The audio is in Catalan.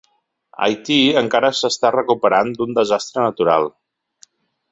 Haití encara s'està recuperant d'un desastre natural.